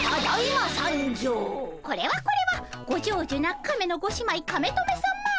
これはこれはご長寿な亀のご姉妹カメトメさま。